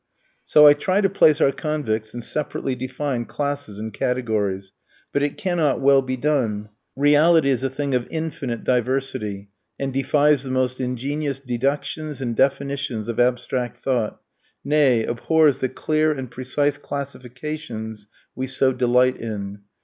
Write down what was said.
So I try to place our convicts in separately defined classes and categories; but it cannot well be done. Reality is a thing of infinite diversity, and defies the most ingenious deductions and definitions of abstract thought, nay, abhors the clear and precise classifications we so delight in.